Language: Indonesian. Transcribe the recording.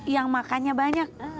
yang makannya banyak